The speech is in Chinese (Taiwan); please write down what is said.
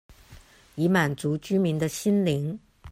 以滿足居民的心靈